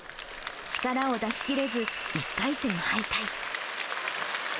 力を出しきれず、１回戦敗退。